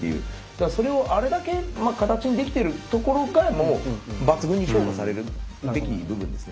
それをあれだけ形にできてるところがもう抜群に評価されるべき部分ですね。